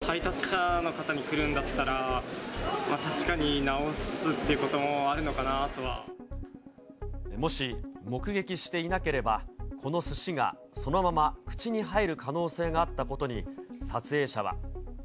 食品が崩れてたっていうクレームが、配達者の方に来るんだったら、確かに直すっていうこともあるのもし、目撃していなければ、このすしがそのまま口に入る可能性があったことに、撮影者は。